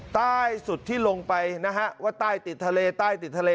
ใต้สุดที่ลงไปนะฮะว่าใต้ติดทะเลใต้ติดทะเล